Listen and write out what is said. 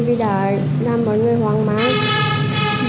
vì đã làm mọi người hoang mang